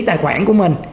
tài khoản của mình